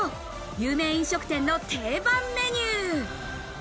有名飲食店の定番メニュー。